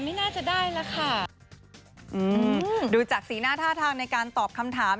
ไม่น่าจะได้แล้วค่ะอืมดูจากสีหน้าท่าทางในการตอบคำถาม